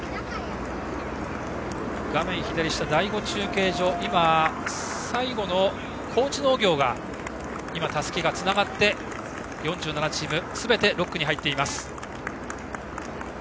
画面左下、第５中継所最後の高知農業のたすきがつながって４７チーム、すべて６区に入っています。